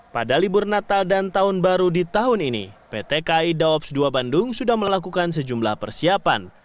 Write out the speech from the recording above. pada libur natal dan tahun baru di tahun ini pt kai daops dua bandung sudah melakukan sejumlah persiapan